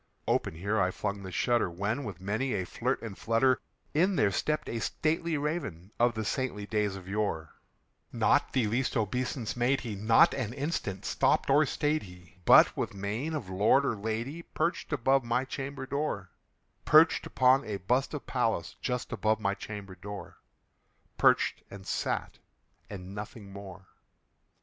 Open here I flung the shutter, when, with many a flirt and flutter, In there stepped a stately Raven of the saintly days of yore; Not the least obeisance made he: not an instant stopped or stayed he; But, with mien of lord or lady, perched above my chamber door Perched upon a bust of Pallas just above my chamber door Perched, and sat, and nothing more.